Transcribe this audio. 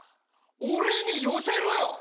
俺に寄せろよ！